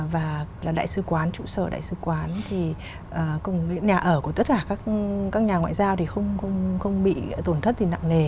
và là đại sư quán trụ sở đại sư quán thì nhà ở của tất cả các nhà ngoại giao thì không bị tổn thất thì nặng nề